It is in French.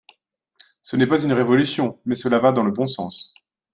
Ce n’est pas une révolution mais cela va dans le bon sens.